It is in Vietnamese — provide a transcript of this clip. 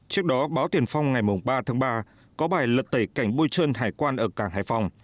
trước đó báo tiền phong ngày ba tháng ba có bài lật tẩy cảnh bôi trơn hải quan ở cảng hải phòng